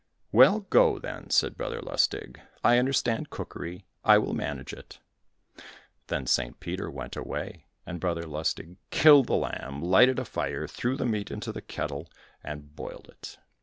"Well, go, then," said Brother Lustig, "I understand cookery, I will manage it." Then St. Peter went away, and Brother Lustig killed the lamb, lighted a fire, threw the meat into the kettle, and boiled it.